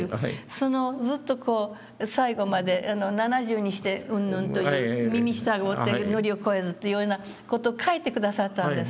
そのずっとこう最後まで「七十にして云々」という「耳順うて矩を踰えず」というような事を書いて下さったんですね。